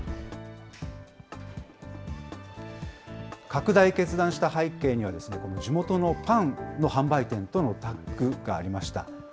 拡大を決断した背景には、この地元のパンの販売店とのタッグがありました。